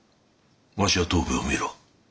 わしや藤兵衛を見ろ。